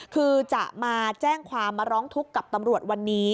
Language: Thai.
คือจะมาแจ้งความมาร้องทุกข์กับตำรวจวันนี้